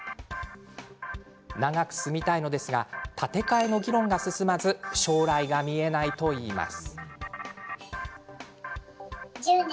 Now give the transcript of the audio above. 長く住みたいのですが建て替えの議論が進まず将来が見えないといいます。